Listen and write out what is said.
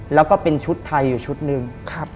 แล้วก็เป็นชุดไทยอยู่ชุดหนึ่ง